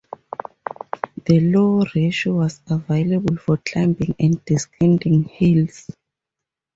The low ratio was available for climbing and descending hills.